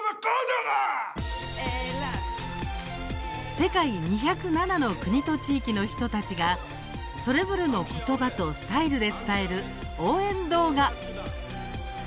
世界２０７の国と地域の人たちがそれぞれのことばとスタイルで伝える応援動画。